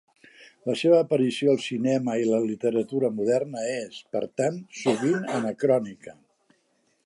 La seva aparició al cinema i la literatura moderna és, per tant, sovint anacrònica.